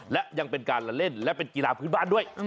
และยังเป็นการละเล่นและเป็นกีฬาพื้นบ้านด้วย